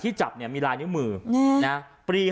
ที่ฟึกตรงที่มีลายละิมือปลี